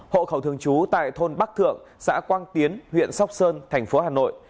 hộ khẩu thường trú tại thôn bắc thượng xã quang tiến huyện sóc sơn thành phố hà nội